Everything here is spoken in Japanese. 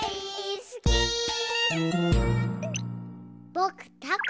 ぼくたこ